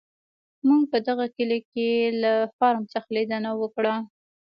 موږ په دغه کلي کې له فارم څخه لیدنه وکړه.